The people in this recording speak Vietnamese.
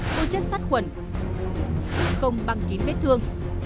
cơ chất phát khuẩn không băng kín vết thương